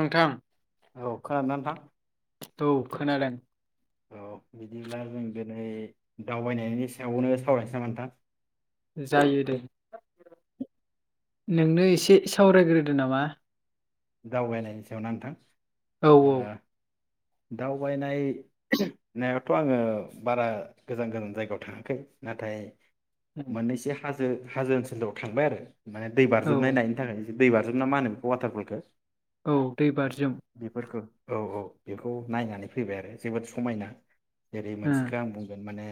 नोंथां औ खोनादोंना नोंथां औ खोनादों औ बिदिब्ला जों दिनै दावबायनायनि सायावनो सावरायनो सै नामा नोंथां जायो दे नोंनो एसे सावरायग्रोदो नामा दावबायनायनि सायावना नोंथां औ औ दावबायनाय नायावथ आङो बारा गोजान गोजान जायगायाव थाङाखै नाथाय मोननैसो हा जो हाजो ओनसोलाव थांबाय आरो माने दै औ बारजुमनाय नायनो थाखाय दै बारजोम ना मा होनो वाटार पलखो औ दैबारजोम औ औ बेखौ नायनानै फैबाय आरो जोबोद समायना जेरै ओ मोनसेखौ आं बुंगोन माने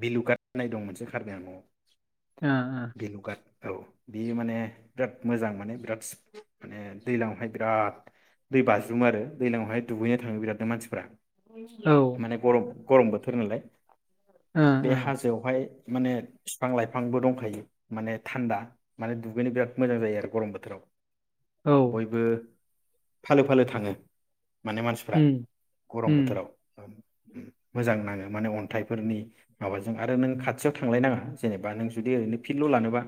बिलु गाट होननाय दं मोनसे कारबि आंलंआव भेलुगात औ बियो माने बिराद मोजां माने बिराद माने दैज्लां हावहाय बिराद दै बाज्रुमो आरो दैज्लां हावहाय दुगैनो थाङो बिरादनो मानसिफ्रा, ओ माने गरम गरम बोथोर नालाय बे हाजोआव हाय माने बिफां लाइफांबो दंखायो माने थान्दा माने दुगैनो बिराद मोजां जायो आरो गरम बोथोराव, बयबो फालो फालो थाङो माने मानसिफ्रा गरम बोथोराव मोजां नाङो माने अन्थाइफोरनि माबाजों आरो नों खाथियाव थांलाय नङा जेनेबा नों जुदि ओरैनो फिल' लानोबा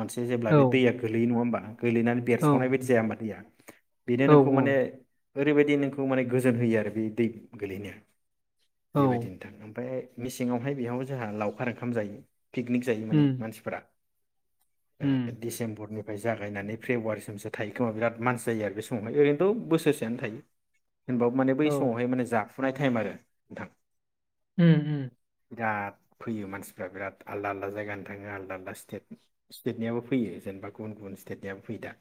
मोनसे जेब्ला बे दैया गोलैयो नङा होमबा, गोलैनानै बेरसावनाय औ बायदि, [unintelligible] बेनो ओ नोंखौ माने ओरैबायदि नोंखौ माने गोजोन होयोआरो बिनि दै गोलैनाया औ बेबायदिनो थां ओमफ्राय मेसें हावहाय बेयाव जोंहा लावखार ओंखाम जायो। पिकनिक जायो माने उम मानसिफोरा ए उम डेसेम्बरनि बाय जागायनानै फेब्रुवारिसिमसो थायो खोमा बिराद मानसि जायो आरो बे समावहाय ओरैनोथ' बोसोरसेआनो थायो। होनबाबो माने औ बै समावहाय माने जा फुनाय टाइम आरो नोंथां। उम उम बिराद फैयो मानसिफ्रा बिराद आलदा आलदा जायगानो थाङो आलदा आलदा स्टेट स्टेटनियाबो फैयो जेनेबा गुबुन गुबुन स्टेटनियाबो फैयो दा।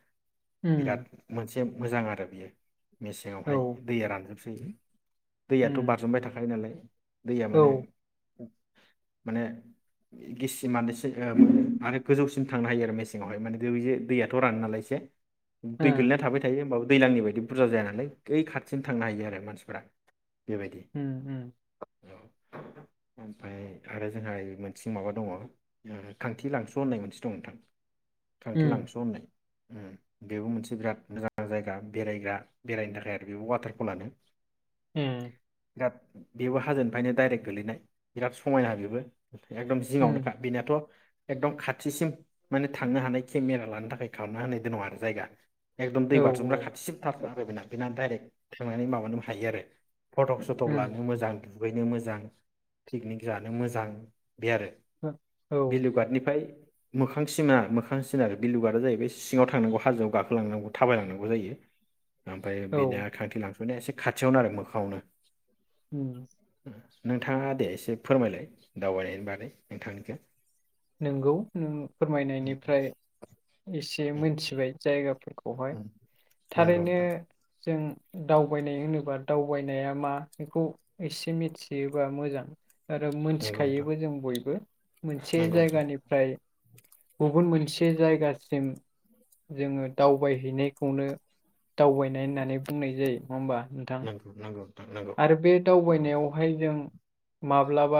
बिराद उम मोनस से मोजां आरो बियो। मेसें औ आवहाय दैया रानजोब जायो। दैयाथ' उम बारजुमबाय थाखायो नालाय दैया औ मानो ओ माने गिसि मानोसो ओ आरो गोजौसिम थांनो हायो आरो मेसेङावहाय माने बेे दैयाथ' रानो नालाय एसे दै उम गोलैना थाबाय थायो होमबाबो दैलांनि बायदि बुरजा जाया नालाय ओइ खाथिसिम थांनो हायो आरो मानसिफोरा बेबायदि उम औ ओमफाय आरो जोंहा मोनसे माबा दङ ओ थांथि लांस' होननाय मोनसे दं नोंथां। थांथि उम लांस' होननाय उम बेबो मोनसे बिराद मोजां जायगा बेरायग्रा बेरायनो थाखाय आरो बेबो वाटारफलानो। उम बिराद बेबो हाजोनिफ्रायनो डाइरेक्ट गोलैनाय बिराद समायना बेबो। एकदम उम जिङावनोखा बिनियाथ' एकदम खाथिसिम माने थांनो हानाय केमेरा लानो थाखाय खालामना होनाय दङ आरो। जायगा एकदम औ दै बाज्रुमग्रा खाथिसिम थार आरो बिना बिना डाइरेक्ट सोंनानै माबानोबो हायो आरो। फ'टक स'टक उम लानो मोजां। दुगैनो मोजां पिकनिक जानो मोजां। बे आरो औ बिलुगाटनिफ्राय मोखां सिनार मोखां सिनार बिलुगारा जाहैबाय सिङाव थांनांगौ‌। हाजोआव गाखोलांनांगौ थाबायलांनांगौ जायो। ओमफाय बेनो औ खाथि लां ने एसे खाथियावनो आरो मोखाङावनो। उम। नोंथाङा दे एसे फोरमायलाय दावबायनायनि बागै नोंथांनिखौ। नोंगौ नों उम, फोरमायनायनिफ्राय एसे उम, मोनथिबाय। जायगा फोर। खौहाय उम। नंगौ थारैनो नोंथां जों। दावबायनाय होनोबा दावबायनाया मा बेखौ एसे मिथियोबा मोजां। आरो नंगौ नोंथां मोनथिखायोबो जों बयबो। बे नंगौ नोंथां जायगानिफ्राय। गुबुन मोनसे जायगासिम जोङो दावबायहैनायखौनो। दावबायनाय होननानै बुंनाय जायो नङा होमबा नोंथां। नंगौ नंगौ नोंथां नंगौ आरो बे दावबायनायावहाय जों। माब्लाबा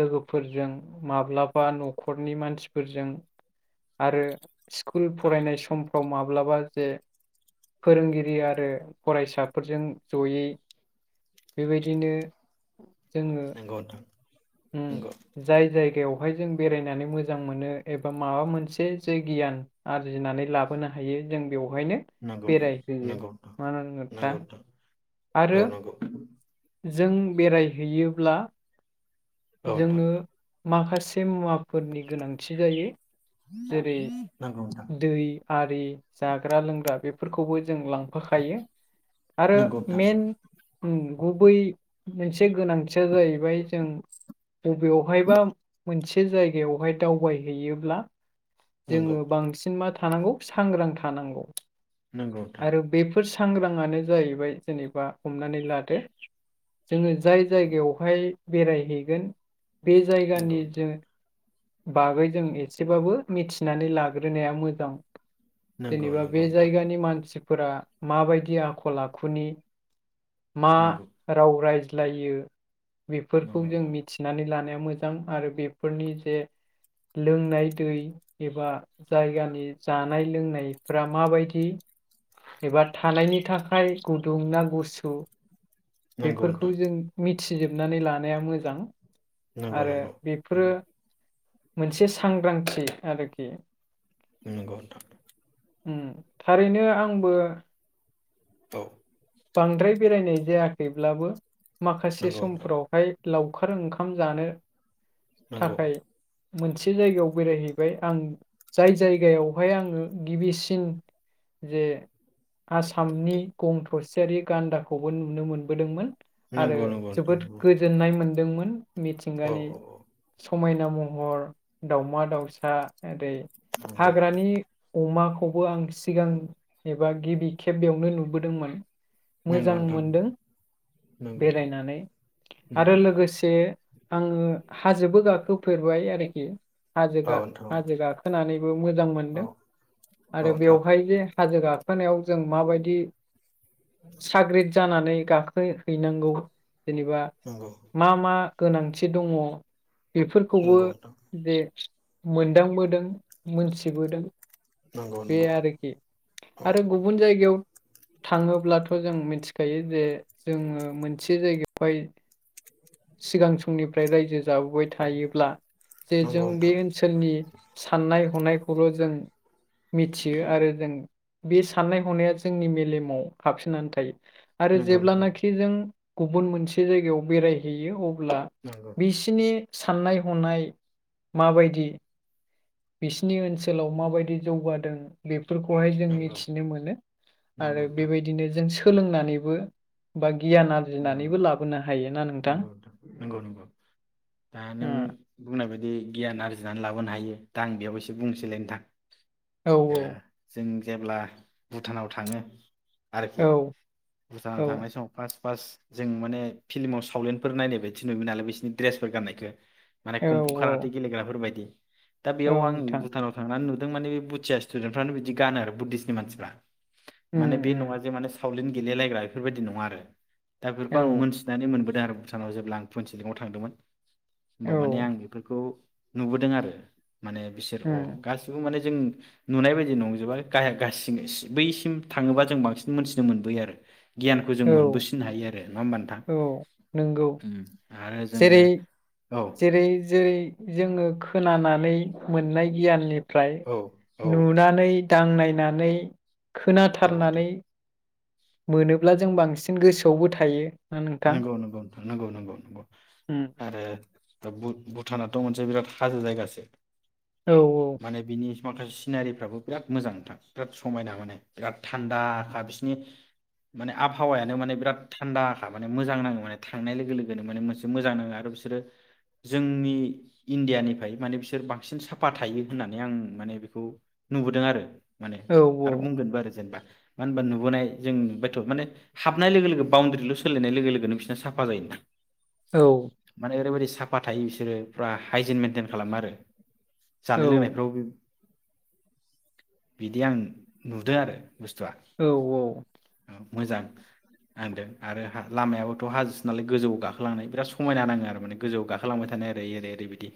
लोगोफोरजों माब्लाबा न'खरनि मानसिफोरजों। आरो। स्कुल फरायनाय समफ्राव माब्लाबा जे फोरोंगिरि आरो फरायसाफोरजों जयै। बेबायदिनो जोङो। नंगौ नोंथां ओम जाय जायगायाव बेवहाय जों बेरायनानै मोजां मोनो एबा माबा मोनसे जे गियान आरजिनानै लाबोनो हायो जों बेयाव बेहायनो नंगौ बेरायहोयो नंगौ मानो होनना बुङो नंगौ नोंथां दा नंगौ नोंथां औ आरो नंगौ जों बेरा बेराय हैयोब्ला औ नोंथां जोंनो माखासे मुवाफोरनि गोनांथि जायो। जेरै नंगौ नोंथां दै हारि जाग्रा लोंग्रा बे बेफोरखौबो जों लांफाखायो आरो नंगौ नोंथां मेन गुबै मोनसे गोनांथिया जाहैबाय जों बबेयावहायबा मोनसे मोनसे जायगायावहाय दावबायहैयोब्ला नंगौ जोङो बांसिन मा थानांगौ सांग्रां थानांगौ। नंगौ नोंथां। आरो बेफोर सांग्राङानो जाहैबाय जेनेबा हमनानै लादो जोङो जाय जायगायावहाय बेरायहैगोन बे जायगानि जों नंगौ बागै जों एसेबाबो मिथिनानै लाग्रोनाया मोजां। नोंथां नंगौ जेनेबा बे नोंथां जायगानि मानसिफो फोरा माबायदि आखल आखुनि मा नंगौ राव रायज्ल जालायो। बेफोरखौ नंगौ जों नोंथां मिथिनानै लानाया मोजां आरो बेफोरनि जे लोंनाय दै एबा जायगानि जानाय लोंनायफ्रा माबायदि एबा थानायनि थाखाय गुदुं ना गुसु बेफोरखौ जों मिथ थि जोबनानै लानाया मोजां। नंगौ आरो नोंथां बेफोरो नंगौ मोनसे सांग्रांथि आरोखि। नंगौ नोंथां। उम थारैनो आंबो औ बांद्राय बेरायनाय जाया। थैब्लाबो माखासे नंगौ नोंथां समफोरावहाय लावखार ओंखाम जानो नंगौ। थाखाय मोनसे जायगायाव बेरायहैबाय आं जाय जायगायावहाय आङो गिबिसिन जे आसामनि गं थसेयारि गान्दाखौबो नुनो मोनबोदोंमोन। आरो नंगौ नंगौ नोंथां जोबोद नंगौ गोजोननाय मोनदोंमोन। औ मिथिंगानि औ औ समायना मुं हर दाउमा दाउसा ओरै नंगौ हाग्रानि अमाख खौबो आं सिगां एबा गिबि खेब बेयावनो नुबोदोंमोन। नंगौ मोजां नोंथां मोनदों नंगौ नंगौ बेरायनानै उम आरो उम लोगोसे आङो हाजोबो गाखो फोरबाय आरोखि हाजो औ नोंथां गा-हाजो गाखोनानै मोजां औ मोनदों औ आरो नोंथां बेवहाय जे हाजो गाखोनायाव जों माबायदि साग्रिद जानानै गाखो है-हैनांगौ। जेनेबा नंगौ मा मा गोनांथि दङ बिफ खौबो नंगौ नोंथां दे मोनदांबोदों मोनथिबोदों। नंगौ बे नंगौ आरोखि औ आरो गुबुन जायगायाव थाङोब्लाथ' जों मिथिखायो जे जोङो मोनसे जायगायावहाय सिगां समनिफ्राय रायजो जाबोबाय थायो। जे जों नंगौ बे नोंथां ओनसोलनि साननाय हनायखौल' जों [inaudible] मिथियो आरो जों बे साननाय हनाया जोंनि मेलेमाव हाबसोनानै थायो। आरो नंगौ नोंथां जेब्लानाखि जों गुबुन मोनसे जायगायाव बेरायहैयो अब ब्ला नंगौ बिसिनि साननाय हनाय माबायदि बिसिनि ओनसोलाव माबायदि जौगादों बेफ फोरफोरखौहाय जों नंगौ मिथिनो मोनो नंगौ आरो नोंथां बेबायदिनो जों। सोलोंनानैबो बा। गियान नंगौ आरजिनानैबो लाबोनो हायो ना नोंथां? नंगौ दा नों उम बुंनाय बायदिनो। बि गियान आरजिनानै लाबोनो हायो दा आं बेयाव एसे बुंसैलाय नोंथां। औ ओ जों। जेब्ला भुटानाव थाङो। आरोखि औ औ भुटानाव थांनाय समाव फार्स्ट। फार्स्ट जों माने फिल्माव सावलेनफोर नायनाय बायदि नुयोमोन नालाय बिसिोरनि दड्रेसफोर गाननायखौ। माने औ कम्फु कारथि गेलेग्राफोर बायदि। दा औ बेयाव आं नोंथां भुटानाव थांनानै नु माने बुथिया स्थुडेन्टफ्रानो बिदि गानो आरो बुधिसनिमानसिफ्रा। उम माने बे उम नङा जे माने। सावलिन गेलेलायग्रा बेफोरबायदि नङा आरो। दा बेफोरखौ औ आं मोनथिनानै मोनबोदों। भधार भुटानाव जेब्ला आं पुन सिलिङाव थांदोंमोन। होमबा औ माने आं बेफोरखौ। नुबोदों आरो माने बिसोर अ उम गासिबो माने जों नुनाय बायदि नंजोबा गाहाय गासि बैसिम थाङोबा जों बांसिन मोनथिनो मोनबोयो आरो। गियानखौ जों औ मोनबोसि औ नंगौ आरो जेरै जोङो औ जेरै जेरै जोङो खोनानानै मोननाय गियाननि फ्राय औ औ नुनानै दांनायनानै औ नोंथां खोनाथारनानै मोनोब्ला जों बांसिन गोसोआवबो थायो। ना नोंथां नंगौ नंगौ नंगौ नंगौ उम आरो भुटाना मोन बिराद हाजोजायगासो। औ औ। माखासे सिनारिफ्राबो बिराद मोजां नोंथां बिराद समायना माने बिराद थान्दाखा बिसिरनि माने आबहावायानो माने बिराद थान्दाख थारमाने मोजां नाङो माने थांनाय लोगो लोगोनो माने मोनसे मोजां नाङो आरो बिसोरो जोंनि इण्डियानिफ्राय माने बिसोर बांसिन साफा थायो होननानै आं माने बेखौ नुबोदों आरो। माने औ आरो बुंगोनबो आरो जेनेबा मानो होनबा नुबोनाय जों नुबायथ' माने हाबनाय लोगो लोगो बाउण्डारिल' सो लायनाय लोगो लोगो नो बिसिना साफा जायो। औ माने ओरैबादि साफा थायो बिसोरो फुरा हाइजेन मेइेनटेन खालामो आरो। औ जानाय लोंनायफ्राव बिदि आं नुदों आरो। बुस्थुआ औ औ। मोजां नांदों। आरो हा लामायाबोथ' हाजोसो नालाय गोजौआव गाखोलांनाय बिराद समायना नाङो आरो माने गोजौआव गाखोलांबाय थानाय ओरै ओरै ओरैबायदि।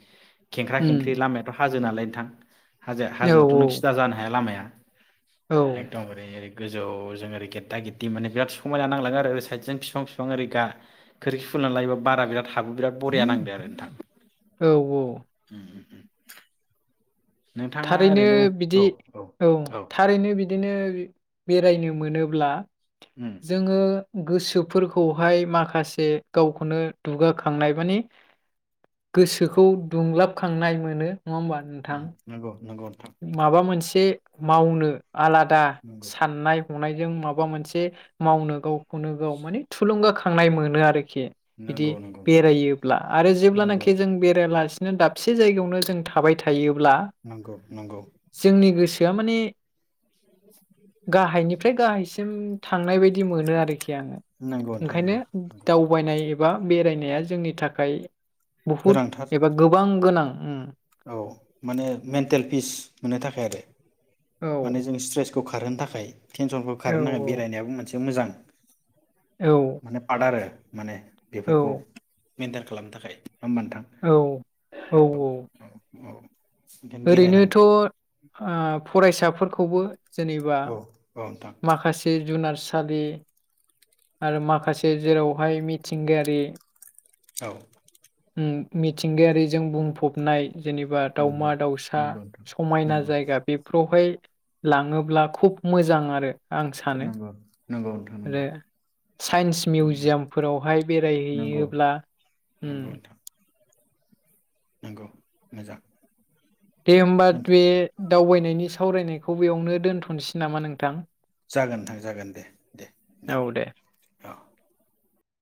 खेंख्रा खेंख्रि उम लामायाथ' हाजो गोलाय थां हाजो औ हाजोआवथ' नों सिदा जानो हाया लामाया। औ एइदम ओरै ओरै गोजौआव जों ओरै गेददा गेददि माने बिराद समायना नांलाांङो आरोओ साइ जों बिफां बिफां ओरै गा खोरखि खुलिनानै लायोबा बारा बिराद हाबो बिराद बरिया नांदो आरो नोंथां। औ औ उम उम। नोंथाङा थारैनो ओरैनो औ बिदि औ थारैनो बिदिनो बेरायनो मोनोब्ला उम जोङो गोसोफोरखौहाय माखासे गावखौनो दुगाखांनाय माने गोसोखौ दुंलाबखांनाय मोनो। होमबा नोंथां? नंगौ नंगौ नोंथां माबा मोनसे मावनो आलादा नंगौ साननाय हनायजों माबा मोनसे मावनो गाव खौनो गाव माने थुलुंगाखां खांनाय मोनो आरोखि बिदि नंगौ नंगौ नोंथां बेरायोब्ला आरो नंगौ जेब्लानाखि जों बेरायलासि नो दाबसे जायगायावनो जों थाबाय थायो नंगौ नंगौ जोंनि गोसोआ माने गाहायनिफ्राय गाहायसिम थांनाय बायदि मोनो आरोखि नंगौ नोंथां ओंखायनो नंगौ नंगौ दावबायनाय बा बेरायनाया जोंनि थाखाय बहुद गोनांथार एबा गोबां गोनां औ माने मेन्टेल पिस मोननो थाखाय आरो औ माने जों स्ट्रेस औ खारहोनो थाखाय टेनसनखौ औ खारहोनो थाखाय बेरायनायाबो मोनसे मोजां औ माने पाद आरो माने औ बेफोरखौ मेेनटेन खालामनो थाखाय होमबान औ औ औ औ ओंखायनो बेरायनांगौ ओरैनोथ आ फरायसा फोरखौबो जेनेबा औ नोंथां माखासे जुनार सागि आरो माखासे जेरावहाय मिथिंगायारि औ मि मिथिंगायारिजों बुंफबनाय जेनेबा नंगौ दावमा-दावसा नंगौ नोंथां समायना जायगा बेफोरावहाय लाङोब्ला खुब मोजां आरो। आं सानो। नंगौ नंगौ नोंथां नंगौ आरो साइन्स नंगौ मिउजियामफोरावहाय नंगौ बेरायहैयोब्ला उम। नोंथां नंगौ मोजां। दे होमबा नोंथां बे दावबायनायनि सावरायनायखौ बबेयावनो दोनथ'नोसै नामा नोंथां? जागोन नोंथां जागोन दे दे दे औ।